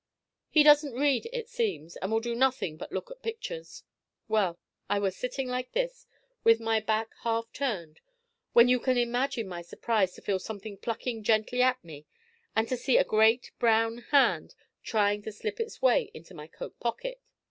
He doesn't read, it seems, and will do nothing but look at pictures. Well, I was sitting like this with my back half turned, when you can imagine my surprise to feel something plucking gently at me, and to see a great brown hand trying to slip its way into my coat pocket.